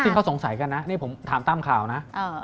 เขาสงสัยกันนะนี่ผมถามตามข่าวนะ